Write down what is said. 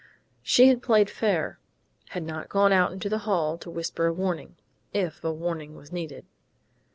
She had played fair; had not gone out into the hall to whisper a warning if any warning was needed.